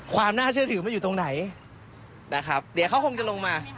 ความน่าเชื่อถือมันอยู่ตรงไหนนะครับเดี๋ยวเขาคงจะลงมา